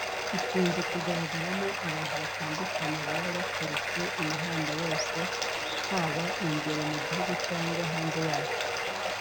Ikunze kugaragaramo abantu batandukanye baba baturutse imihanda yose haba imbere mu gihugu cyangwa hanze yacyo.